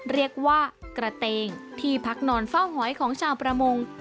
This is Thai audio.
เรียกว่ากระเตงที่พักนอนเฝ้าหอยของชาวประมง